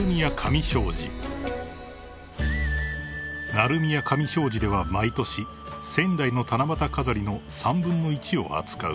［鳴海屋紙商事では毎年仙台の七夕飾りの３分の１を扱う］